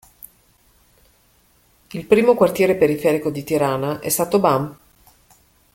Il primo quartiere periferico di Tirana è stato Bam.